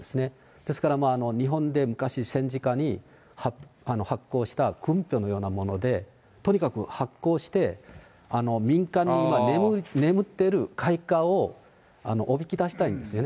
ですから、日本で昔、戦時下に発行したぐんぴょのようなもので、とにかく発行して、民間に眠っている外貨をおびき出したいんですよね。